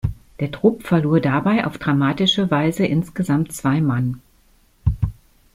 Der Trupp verlor dabei auf dramatische Weise insgesamt zwei Mann.